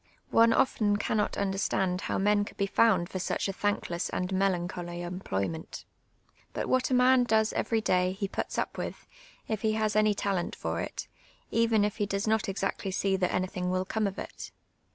One often cannot understand how men coidd be found for such a thankless and melancholy em])loT^'ment. But what a man does every day he puts up with, if he lias any talent for it, even if he does not exactly see that anything will come of it.